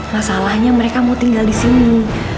masalahnya mereka mau tinggal disini